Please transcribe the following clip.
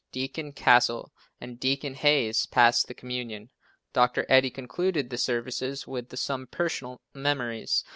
Deacon Castle and Deacon Hayes passed the communion. Dr. Eddy concluded the services with some personal memories.